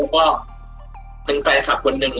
ก็เป็นแฟนคลับคนหนึ่ง